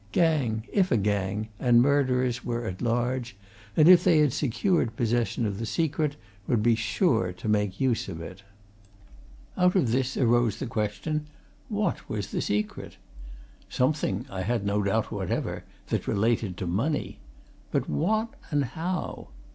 Gang if a gang and murderers were at large, and, if they had secured possession of the secret would be sure to make use of it. Out of this arose the question what was the secret? Something, I had no doubt whatever, that related to money. But what, and how?